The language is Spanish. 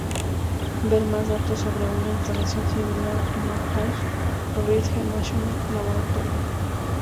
Ver más datos sobre una instalación similar en Oak Ridge National Laboratory.